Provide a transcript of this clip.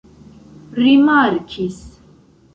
rimarkis